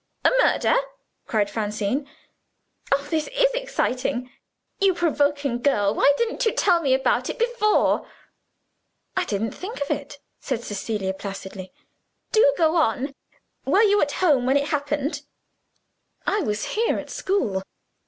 "A murder?" cried Francine. "Oh, this is exciting! You provoking girl, why didn't you tell me about it before?" "I didn't think of it," said Cecilia placidly. "Do go on! Were you at home when it happened?" "I was here, at school."